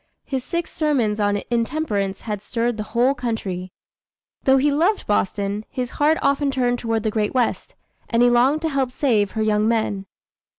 His six sermons on intemperance had stirred the whole country. Though he loved Boston, his heart often turned toward the great West, and he longed to help save her young men.